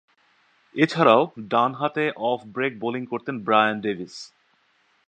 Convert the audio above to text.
এছাড়াও, ডানহাতে off break bowling করতেন ব্রায়ান ডেভিস।